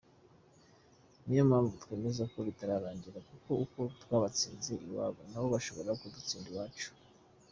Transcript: Niyo mpamvu twemeza ko bitararangira kuko uko twabatsinze iwabo nabo bashobora kudutsinda iwacu.